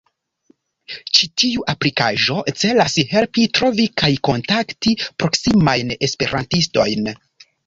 Ĉi tiu aplikaĵo celas helpi trovi kaj kontakti proksimajn esperantistojn.